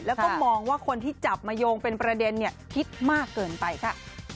แล้วก็มองว่าคนที่จับมาโยงเป็นประเด็นคิดมากเกินไปค่ะ